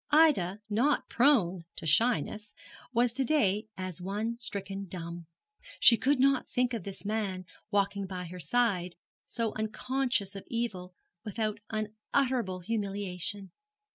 Ida, not prone to shyness, was to day as one stricken dumb. She could not think of this man walking by her side, so unconscious of evil, without unutterable humiliation.